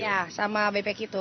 iya sama bebek itu